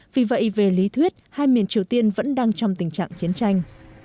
vì vậy về lý thuyết hai miền triều tiên vẫn đang trong tình trạng chiến tranh